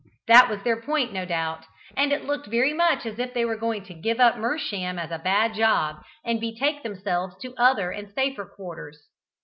That was their point, no doubt, and it looked very much as if they were going to give up Mersham as a bad job, and betake themselves to other and safer quarters.